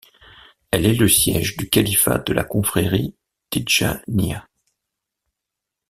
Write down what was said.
Elle est le siège du califat de la confrérie tidjaniya.